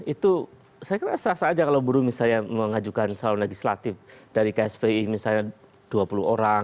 itu saya kira sah sah aja kalau buruh misalnya mengajukan calon legislatif dari kspi misalnya dua puluh orang